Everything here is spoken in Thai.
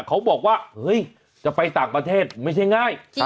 เขาบอกว่าเฮ้ยจะไปต่างประเทศไม่ใช่ง่าย